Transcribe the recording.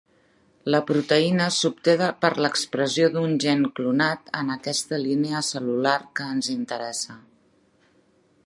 La proteïna s'obté per l'expressió d'un gen clonat en aquesta línia cel·lular que ens interessa.